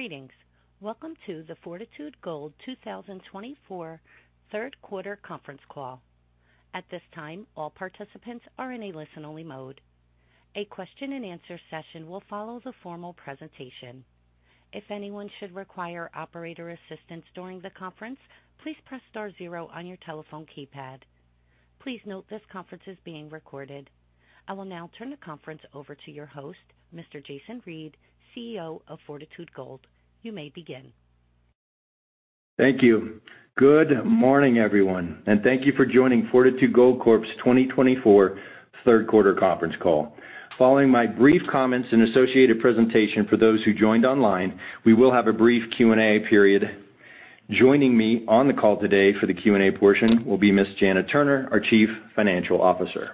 Greetings. Welcome to the Fortitude Gold 2024 third quarter conference call. At this time, all participants are in a listen-only mode. A question-and-answer session will follow the formal presentation. If anyone should require operator assistance during the conference, please press star zero on your telephone keypad. Please note this conference is being recorded. I will now turn the conference over to your host, Mr. Jason Reid, CEO of Fortitude Gold. You may begin. Thank you. Good morning, everyone, and thank you for joining Fortitude Gold Corp's 2024 third quarter conference call. Following my brief comments and associated presentation for those who joined online, we will have a brief Q&A period. Joining me on the call today for the Q&A portion will be Ms. Janet Turner, our Chief Financial Officer.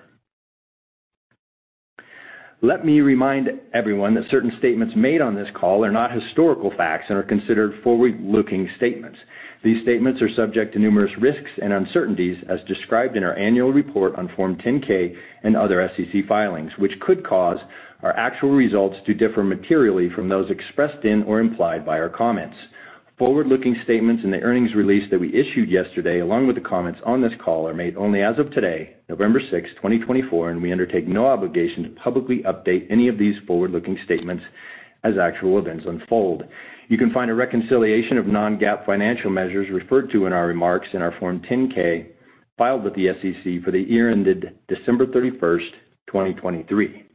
Let me remind everyone that certain statements made on this call are not historical facts and are considered forward-looking statements. These statements are subject to numerous risks and uncertainties, as described in our annual report on Form 10-K and other SEC filings, which could cause our actual results to differ materially from those expressed in or implied by our comments. Forward-looking statements in the earnings release that we issued yesterday, along with the comments on this call, are made only as of today, November 6, 2024, and we undertake no obligation to publicly update any of these forward-looking statements as actual events unfold. You can find a reconciliation of non-GAAP financial measures referred to in our remarks in our Form 10-K filed with the SEC for the year ended December 31, 2023.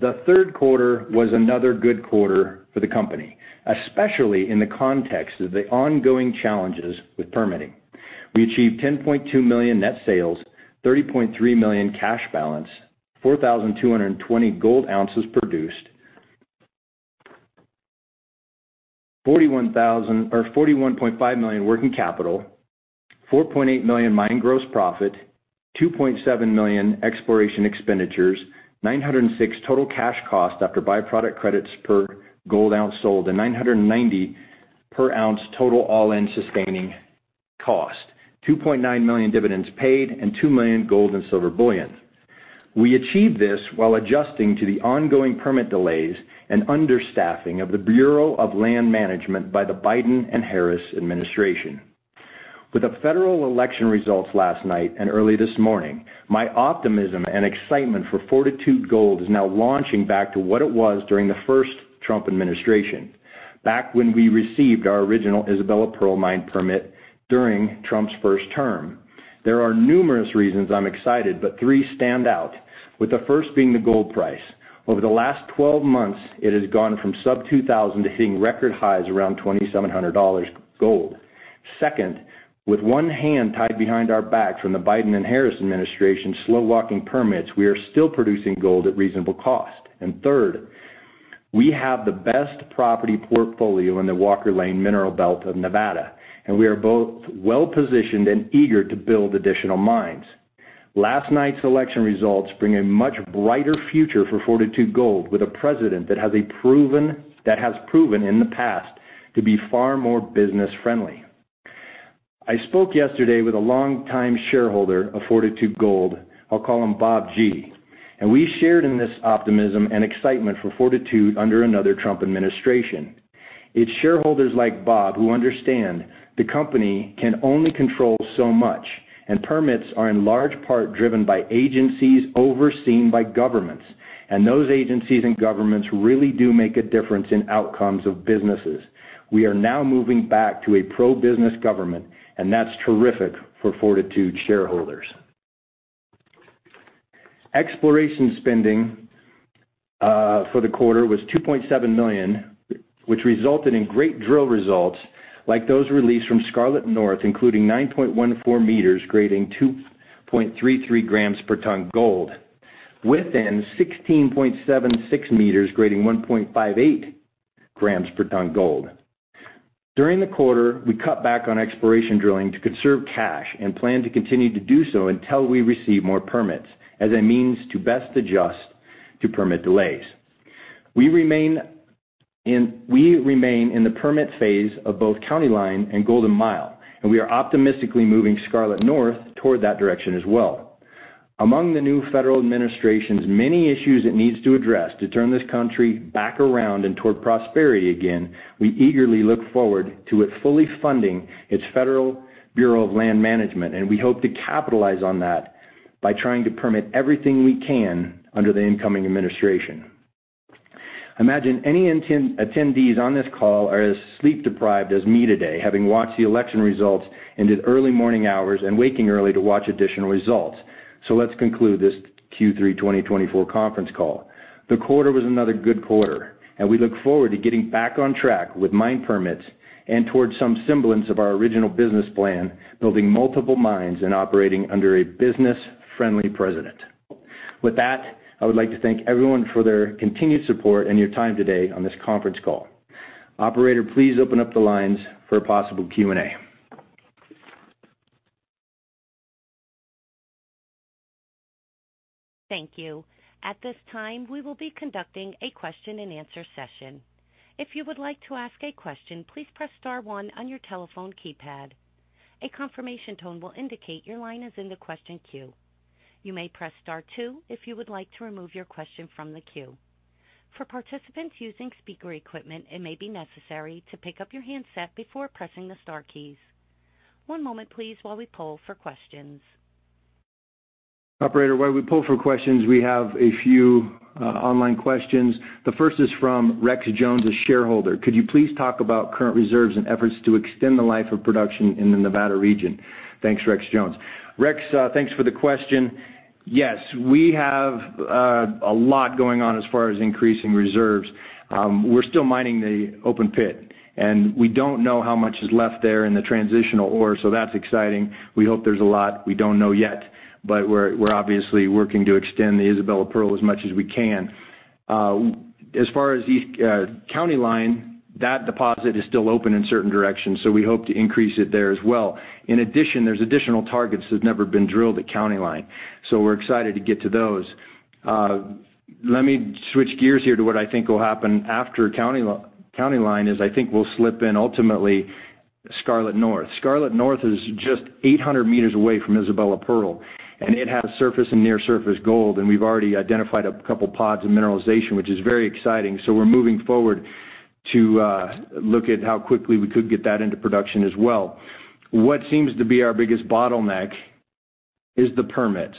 The third quarter was another good quarter for the company, especially in the context of the ongoing challenges with permitting. We achieved $10.2 million net sales, $30.3 million cash balance, 4,220 gold ounces produced, $41.5 million working capital, $4.8 million mine gross profit, $2.7 million exploration expenditures, $906 total cash costs after byproduct credits per gold ounce sold, and $990 per ounce total all-in sustaining cost, $2.9 million dividends paid, and $2 million gold and silver bullion. We achieved this while adjusting to the ongoing permit delays and understaffing of the Bureau of Land Management by the Biden and Harris administration. With the federal election results last night and early this morning, my optimism and excitement for Fortitude Gold is now launching back to what it was during the first Trump administration, back when we received our original Isabella Pearl mine permit during Trump's first term. There are numerous reasons I'm excited, but three stand out, with the first being the gold price. Over the last 12 months, it has gone from sub-$2,000 to hitting record highs around $2,700 gold. Second, with one hand tied behind our back from the Biden and Harris administration's slow-walking permits, we are still producing gold at reasonable cost. Third, we have the best property portfolio in the Walker Lane mineral belt of Nevada, and we are both well-positioned and eager to build additional mines. Last night's election results bring a much brighter future for Fortitude Gold, with a president that has proven in the past to be far more business-friendly. I spoke yesterday with a longtime shareholder of Fortitude Gold. I'll call him Bob G., and we shared in this optimism and excitement for Fortitude under another Trump administration. It's shareholders like Bob who understand the company can only control so much, and permits are in large part driven by agencies overseen by governments, and those agencies and governments really do make a difference in outcomes of businesses. We are now moving back to a pro-business government, and that's terrific for Fortitude shareholders. Exploration spending for the quarter was $2.7 million, which resulted in great drill results like those released from Scarlet North, including 9.14 meters grading 2.33 grams per ton gold, within 16.76 meters grading 1.58 grams per ton gold. During the quarter, we cut back on exploration drilling to conserve cash and plan to continue to do so until we receive more permits as a means to best adjust to permit delays. We remain in the permit phase of both County Line and Golden Mile, and we are optimistically moving Scarlet North toward that direction as well. Among the new federal administration's many issues it needs to address to turn this country back around and toward prosperity again, we eagerly look forward to it fully funding its U.S. Bureau of Land Management, and we hope to capitalize on that by trying to permit everything we can under the incoming administration. Imagine any attendees on this call are as sleep-deprived as me today, having watched the election results into the early morning hours and waking early to watch additional results. So let's conclude this Q3 2024 conference call. The quarter was another good quarter, and we look forward to getting back on track with mine permits and toward some semblance of our original business plan, building multiple mines and operating under a business-friendly president. With that, I would like to thank everyone for their continued support and your time today on this conference call. Operator, please open up the lines for a possible Q&A. Thank you. At this time, we will be conducting a question-and-answer session. If you would like to ask a question, please press star one on your telephone keypad. A confirmation tone will indicate your line is in the question queue. You may press star two if you would like to remove your question from the queue. For participants using speaker equipment, it may be necessary to pick up your handset before pressing the star keys. One moment, please, while we poll for questions. Operator, while we poll for questions, we have a few online questions. The first is from Rex Jones, a shareholder. Could you please talk about current reserves and efforts to extend the life of production in the Nevada region? Thanks, Rex Jones. Rex, thanks for the question. Yes, we have a lot going on as far as increasing reserves. We're still mining the open pit, and we don't know how much is left there in the transitional ore, so that's exciting. We hope there's a lot. We don't know yet, but we're obviously working to extend the Isabella Pearl as much as we can. As far as County Line, that deposit is still open in certain directions, so we hope to increase it there as well. In addition, there's additional targets that have never been drilled at County Line, so we're excited to get to those. Let me switch gears here to what I think will happen after County Line is. I think we'll slip in ultimately Scarlet North. Scarlet North is just 800 meters away from Isabella Pearl, and it has surface and near-surface gold, and we've already identified a couple of pods of mineralization, which is very exciting, so we're moving forward to look at how quickly we could get that into production as well. What seems to be our biggest bottleneck is the permits.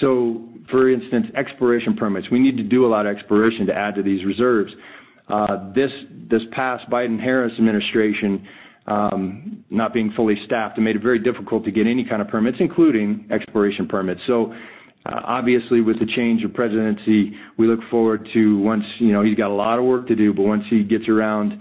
So, for instance, exploration permits. We need to do a lot of exploration to add to these reserves. This past Biden-Harris administration, not being fully staffed, it made it very difficult to get any kind of permits, including exploration permits. So, obviously, with the change of presidency, we look forward to once he's got a lot of work to do, but once he gets around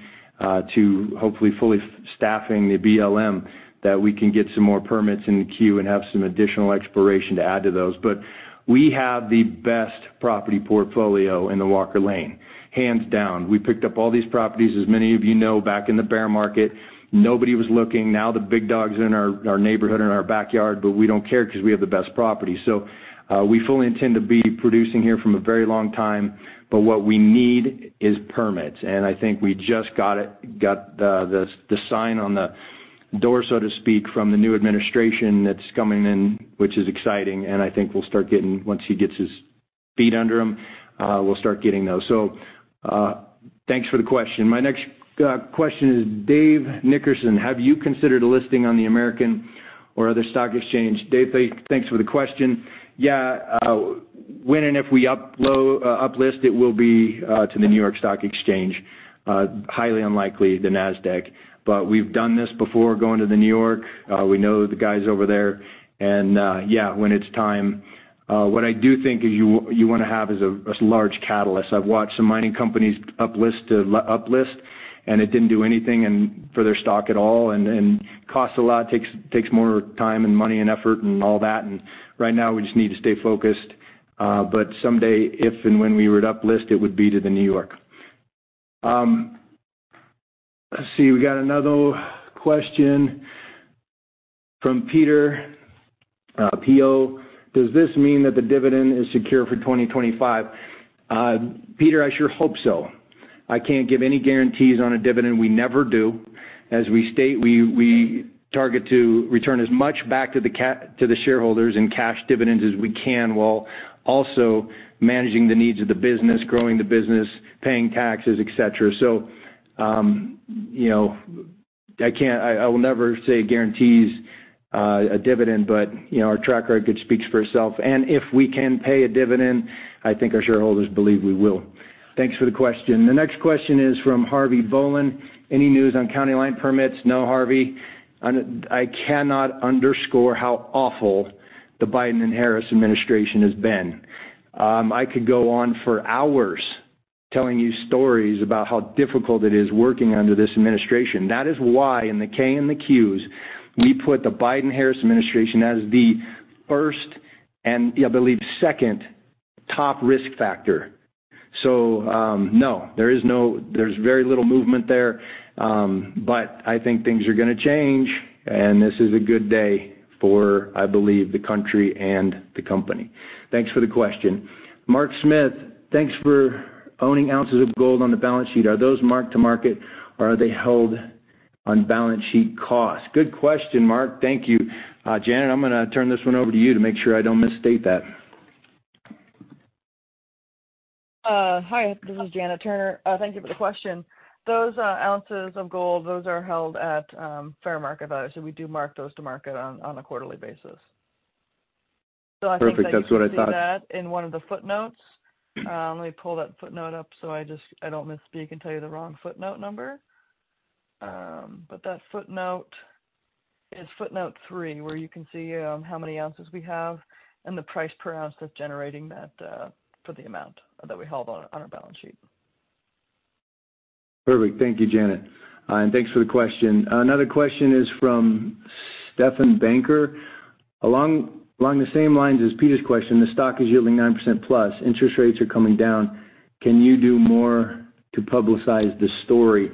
to hopefully fully staffing the BLM, that we can get some more permits in the queue and have some additional exploration to add to those. But we have the best property portfolio in the Walker Lane, hands down. We picked up all these properties, as many of you know, back in the bear market. Nobody was looking. Now the big dogs are in our neighborhood, in our backyard, but we don't care because we have the best property. So we fully intend to be producing here from a very long time, but what we need is permits, and I think we just got the sign on the door, so to speak, from the new administration that's coming in, which is exciting, and I think we'll start getting, once he gets his feet under them, we'll start getting those. So thanks for the question. My next question is Dave Nickerson. Have you considered listing on the American or other stock exchange? Dave, thanks for the question. Yeah. When and if we uplist, it will be to the New York Stock Exchange. Highly unlikely the Nasdaq, but we've done this before going to the New York. We know the guys over there, and yeah, when it's time. What I do think is you want to have is a large catalyst. I've watched some mining companies uplist, and it didn't do anything for their stock at all, and it costs a lot, takes more time and money and effort and all that, and right now we just need to stay focused. But someday, if and when we were to uplist, it would be to the New York. Let's see. We got another question from Peter, PO. Does this mean that the dividend is secure for 2025? Peter, I sure hope so. I can't give any guarantees on a dividend. We never do. As we state, we target to return as much back to the shareholders in cash dividends as we can while also managing the needs of the business, growing the business, paying taxes, etc. So I will never say guarantees a dividend, but our track record speaks for itself. And if we can pay a dividend, I think our shareholders believe we will. Thanks for the question. The next question is from Harvey Bolen. Any news on County Line permits? No, Harvey. I cannot underscore how awful the Biden and Harris administration has been. I could go on for hours telling you stories about how difficult it is working under this administration. That is why, in the 10-K and the 10-Qs, we put the Biden-Harris administration as the first and, I believe, second top risk factor. So no, there's very little movement there, but I think things are going to change, and this is a good day for, I believe, the country and the company. Thanks for the question. Mark Smith, thanks for owning ounces of gold on the balance sheet. Are those marked to market, or are they held on balance sheet cost? Good question, Mark. Thank you. Janet, I'm going to turn this one over to you to make sure I don't misstate that. Hi. This is Janet Turner. Thank you for the question. Those ounces of gold, those are held at fair market value, so we do mark those to market on a quarterly basis. Perfect. That's what I thought. I'll include that in one of the footnotes. Let me pull that footnote up so I don't misspeak and tell you the wrong footnote number. But that footnote is footnote three, where you can see how many ounces we have and the price per ounce that's generating that for the amount that we hold on our balance sheet. Perfect. Thank you, Janet. And thanks for the question. Another question is from Stefan Banker. Along the same lines as Peter's question, the stock is yielding 9%+. Interest rates are coming down. Can you do more to publicize the story?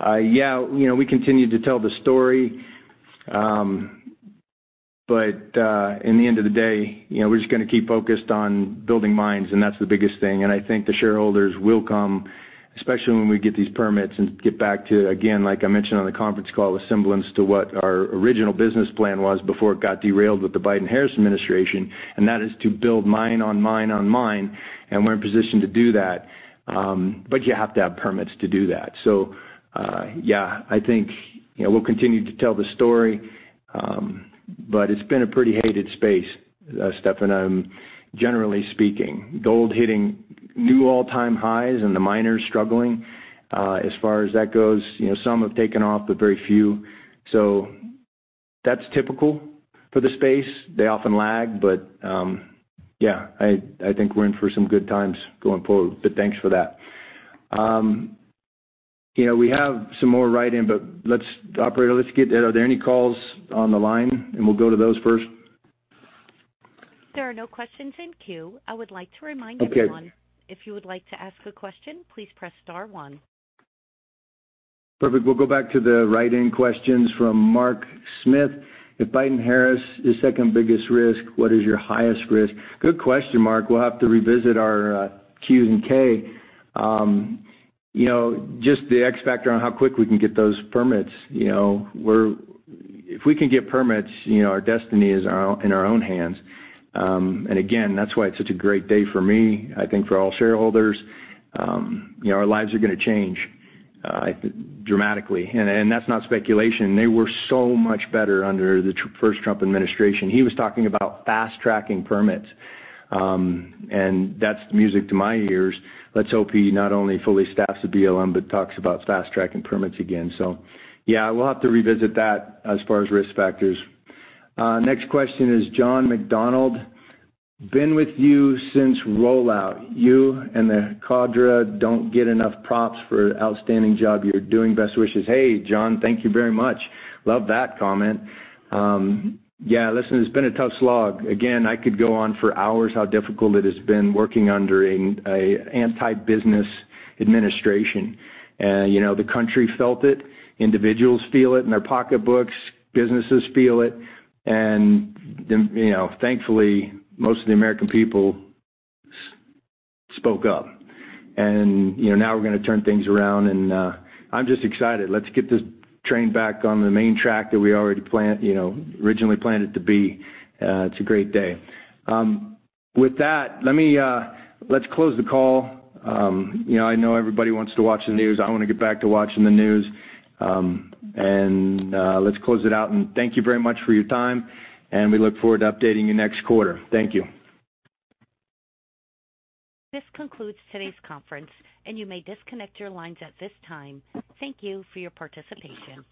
Yeah. We continue to tell the story, but in the end of the day, we're just going to keep focused on building mines, and that's the biggest thing. And I think the shareholders will come, especially when we get these permits and get back to, again, like I mentioned on the conference call, the semblance to what our original business plan was before it got derailed with the Biden-Harris administration, and that is to build mine on mine on mine, and we're in position to do that. But you have to have permits to do that. So yeah, I think we'll continue to tell the story, but it's been a pretty hated space, Stefan, generally speaking. Gold hitting new all-time highs and the miners struggling as far as that goes. Some have taken off, but very few. So that's typical for the space. They often lag, but yeah, I think we're in for some good times going forward, but thanks for that. We have some more write-in, but Operator, are there any calls on the line? And we'll go to those first. There are no questions in queue. I would like to remind everyone. Okay. If you would like to ask a question, please press star one. Perfect. We'll go back to the write-in questions from Mark Smith. If Biden-Harris is the second biggest risk, what is your highest risk? Good question, Mark. We'll have to revisit our Qs and Ks. Just the X factor on how quick we can get those permits. If we can get permits, our destiny is in our own hands. And again, that's why it's such a great day for me, I think for all shareholders. Our lives are going to change dramatically, and that's not speculation. They were so much better under the first Trump administration. He was talking about fast-tracking permits, and that's the music to my ears. Let's hope he not only fully staffs the BLM, but talks about fast-tracking permits again. So yeah, we'll have to revisit that as far as risk factors. Next question is John McDonald. Been with you since rollout. You and the cadre don't get enough props for an outstanding job. You're doing best wishes. Hey, John, thank you very much. Love that comment. Yeah, listen, it's been a tough slog. Again, I could go on for hours how difficult it has been working under an anti-business administration. The country felt it. Individuals feel it in their pocketbooks. Businesses feel it, and thankfully, most of the American people spoke up, and now we're going to turn things around, and I'm just excited. Let's get this train back on the main track that we originally planned it to be. It's a great day. With that, let's close the call. I know everybody wants to watch the news. I want to get back to watching the news, and let's close it out, and thank you very much for your time, and we look forward to updating you next quarter. Thank you. This concludes today's conference, and you may disconnect your lines at this time. Thank you for your participation.